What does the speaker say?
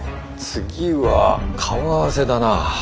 次は顔合わせだな。